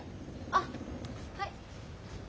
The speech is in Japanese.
あっはい。